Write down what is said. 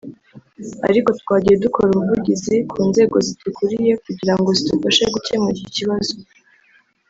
ariko twagiye dukora ubuvugizi ku nzego zidukuriye kugirango zidufashe gukemura iki kibazo”